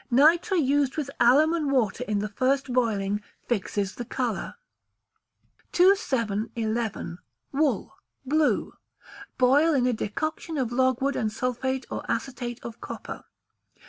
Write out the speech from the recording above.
Nitre used with alum and water in the first boiling fixes the colour. 2711. Wool (Blue). Boil in a decoction of logwood and sulphate or acetate of copper.